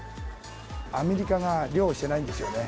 アメリカが漁をしないんですよね。